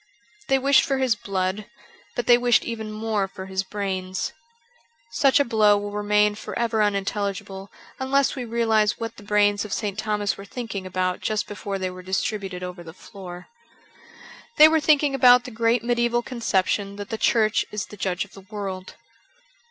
They wished for his blood, but they wished even more for his brains. Such a blow will remain for ever unintelligible unless we realize what the brains of St. Thomas were thinking about just before they were distributed over the floor. They were thinking about the great medieval conception that the Church is the judge of the world.